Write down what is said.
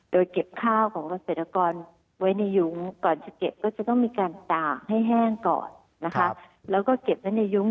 โดยเก็บข้าวของเกษตรกรไว้ในยุ้ง